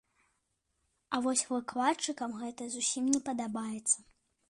А вось выкладчыкам гэта зусім не падабаецца.